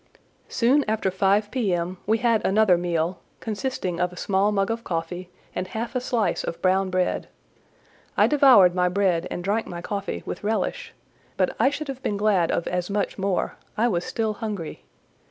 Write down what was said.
Soon after five P.M. we had another meal, consisting of a small mug of coffee, and half a slice of brown bread. I devoured my bread and drank my coffee with relish; but I should have been glad of as much more—I was still hungry.